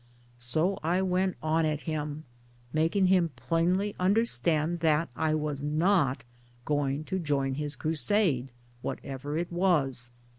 " So I went on at him ; making him plainly under stand that I was not going to join in his crusade whatever it was.